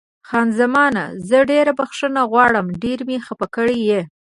خان زمان: زه ډېره بښنه غواړم، ډېر مې خفه کړې.